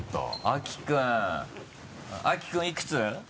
秋君いくつ？